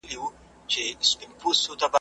چي فرعون غوندي په خپل قدرت نازیږي `